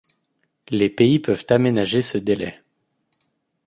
Les pays peuvent aménager ce délai.